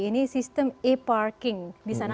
ini sistem e parking di sana